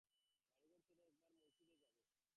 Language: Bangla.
বাড়িঘর ছেড়ে একেবারে মৈশুরে যাবে?